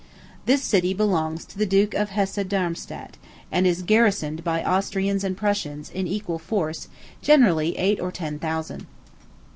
This city belongs to the Duke of Hesse Darmstadt, and is garrisoned by Austrians and Prussians, in equal force, generally eight or ten thousand.